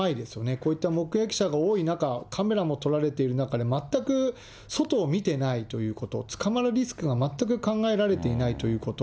こういった目撃者が多い中、カメラも撮られている中で、全く外を見てないということ、捕まるリスクが全く考えられていないということ。